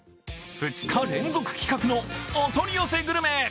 ２日連続企画のお取り寄せグルメ。